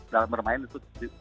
dalam bermain itu